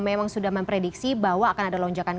memang sudah memprediksi bahwa akan ada lonjakan